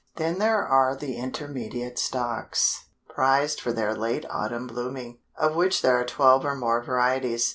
Then there are the Intermediate Stocks, prized for their late autumn blooming, of which there are twelve or more varieties.